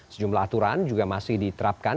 sejumlah aturan juga masih diterapkan